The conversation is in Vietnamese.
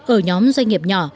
ở nhóm doanh nghiệp nhỏ